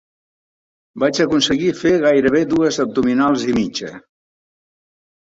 Vaig aconseguir fer gairebé dues abdominals i mitja.